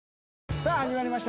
さあ始まりました